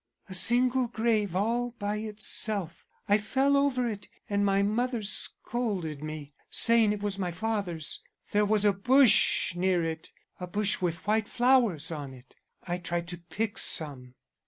"A single grave all by itself. I fell over it and my mother scolded me, saying it was my father's. There was a bush near it. A bush with white flowers on it. I tried to pick some."